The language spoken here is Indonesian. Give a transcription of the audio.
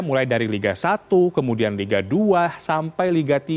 mulai dari liga satu kemudian liga dua sampai liga tiga